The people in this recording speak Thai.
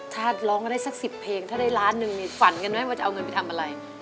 ถ้าร้องก็ได้สักสิบเพลงถ้าได้ล้านนึงไงฝันกันไหมว่าเอาเหมือนไงไปทำอะไร